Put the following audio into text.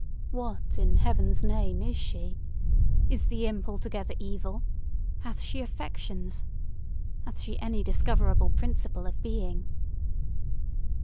What, in heaven's name, is she? Is the imp altogether evil? Hath she affections? Hath she any discoverable principle of being?"